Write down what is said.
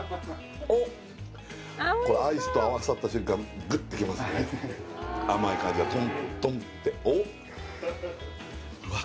おっこれアイスと合わさった瞬間グッてきますね甘い感じがトントンっておっうわ